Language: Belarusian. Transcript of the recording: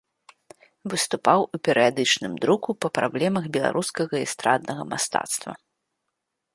Выступаў у перыядычным друку па праблемах беларускага эстраднага мастацтва.